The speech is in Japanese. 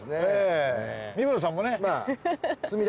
三村さんもね。